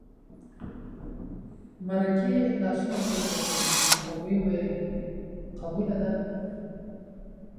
مرکې لاسونه پورته کړل او ویې ویل قبوله ده.